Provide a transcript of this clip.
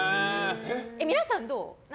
皆さんどう？